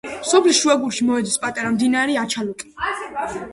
სოფლის შუაგულში მოედინება პატარა მდინარე აჩალუკი.